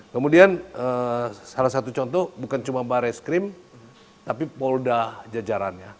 kemudian salah satu contoh bukan cuma bareskrim tapi polda jajarannya